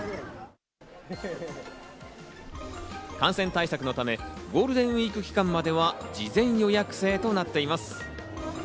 感染対策のため、ゴールデンウイーク期間までは事前予約制となっています。